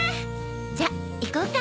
じゃ行こうか！